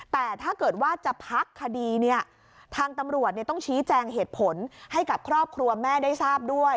แต่ถ้าเกิดว่าจะพักคดีเนี่ยทางตำรวจต้องชี้แจงเหตุผลให้กับครอบครัวแม่ได้ทราบด้วย